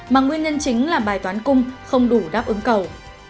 mà nguyên nhân chính là bài toán cung không đủ đáp ứng cầu